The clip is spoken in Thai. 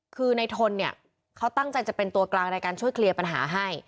คือในทนเนี่ยเขาตั้งใจจะเป็นตัวกลางในการช่วยเคลียร์ปัญหาให้